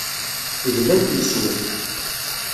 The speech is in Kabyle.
Glant yes-wen.